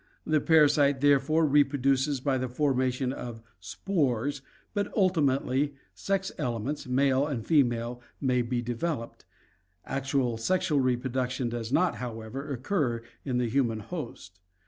The parasite therefore reproduces by the formation of "spores," but ultimately, sex elements, male and fe male, may be developed; actual sexual reproduction does not, 270 ORGANIC EVOLUTION however, occur in the human host.